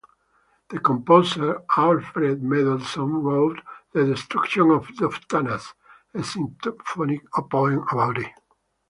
The composer Alfred Mendelssohn wrote The Destruction of Doftanas, a symphonic poem about it.